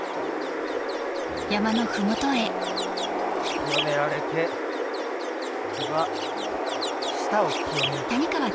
清められて次は舌を清めようか。